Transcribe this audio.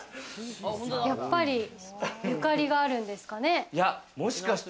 やっぱりゆかりがあるんですかね。